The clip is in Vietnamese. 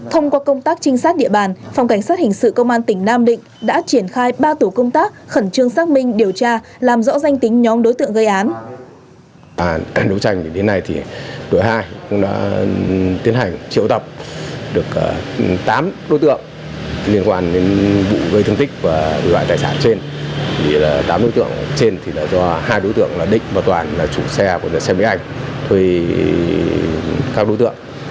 thông qua công tác trinh sát địa bàn phòng cảnh sát hình sự công an tỉnh nam định đã triển khai ba tủ công tác khẩn trương xác minh điều tra làm rõ danh tính nhóm đối tượng gây án